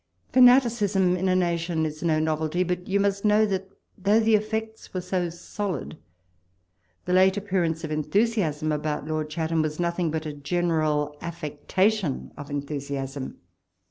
Fanaticism in a nation is no novelty ; but you must know, that, though the effects were so solid, the late appearance of enthusiasm about Lord Chatham was nothing but a general affec tation of enthusiasm.